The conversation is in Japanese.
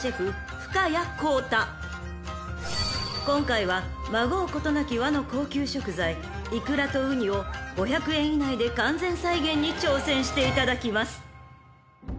［今回はまごうことなき和の高級食材イクラとうにを５００円以内で完全再現に挑戦していただきます］